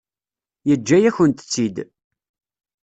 Yeǧǧa-yakent-tt-id.